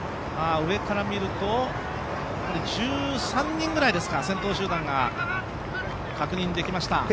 上から見ると、１３人ぐらいですか先頭集団が確認できました。